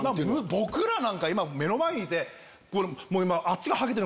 僕らなんか今目の前にいて。